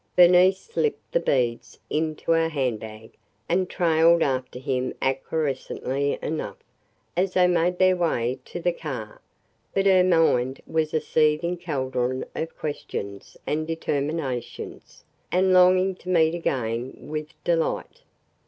Bernice slipped the beads into her handbag and trailed after him acquiescently enough, as they made their way to the car; but her mind was a seething caldron of questions and determinations and longing to meet again with Delight.